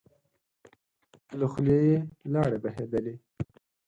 له خولی يې لاړې بهېدلې.